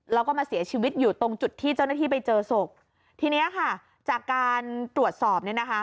แล้วก็มาเสียชีวิตอยู่ตรงจุดที่เจ้าหน้าที่ไปเจอศพทีเนี้ยค่ะจากการตรวจสอบเนี่ยนะคะ